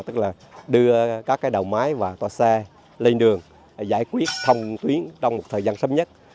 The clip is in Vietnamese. tức là đưa các đầu máy và toa xe lên đường giải quyết thông tuyến trong một thời gian sớm nhất